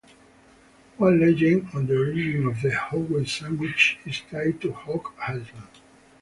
One legend of the origin of the hoagie sandwich is tied to Hog Island.